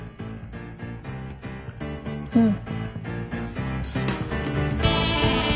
うん。